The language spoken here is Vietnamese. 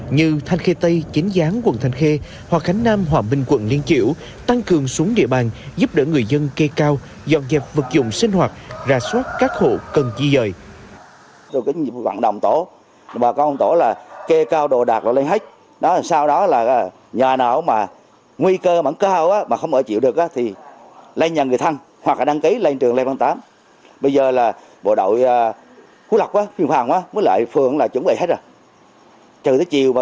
như thanh khê tây chính gián quận thanh khê hoa khánh nam hòa minh quận liên triệu tăng cường xuống địa bàn giúp đỡ người dân kê cao dọn dẹp vật dụng sinh hoạt rà soát các hộ cần chi dời